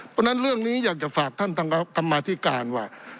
เพราะฉะนั้นเรื่องนี้อยากจะฝากท่านทางกรรมาธิการว่า